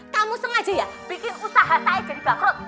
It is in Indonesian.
kamu sengaja ya bikin usaha saya jadi bakrut